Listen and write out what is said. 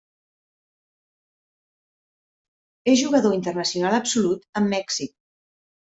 És jugador internacional absolut amb Mèxic.